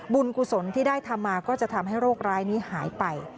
กุศลที่ได้ทำมาก็จะทำให้โรคร้ายนี้หายไป